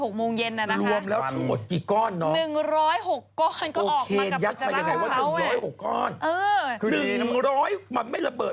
ก็ใช่รวมแล้วคือหมดกี่ก้อนเนอะโอเคยักษ์ไปยังไงว่า๑๐๖ก้อนคือ๑๐๐มันไม่ระเบิด